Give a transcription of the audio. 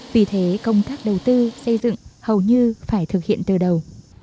vì thế công tác đầu tư xây dựng hầu như phải thực hiện từ đầu